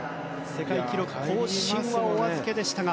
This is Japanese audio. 世界記録更新はおあずけでしたが。